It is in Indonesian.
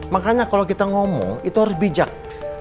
makanya kalau kita ngomong itu harus bijak